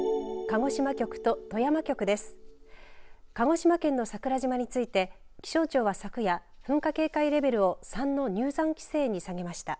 鹿児島県の桜島について気象庁は昨夜、噴火警戒レベルを３の入山規制に下げました。